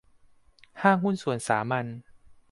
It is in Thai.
ห้างหุ้นส่วนสามัญ